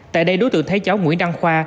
tại đây đối tượng thấy cháu nguyễn đăng khoa